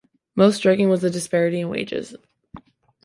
Most striking was the disparity in wages.